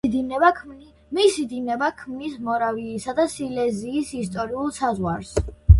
მისი დინება ქმნის მორავიისა და სილეზიის ისტორიულ საზღვარს.